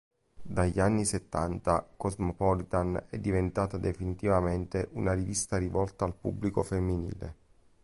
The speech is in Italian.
Dagli anni settanta "Cosmopolitan" è diventata definitivamente una rivista rivolta al pubblico femminile.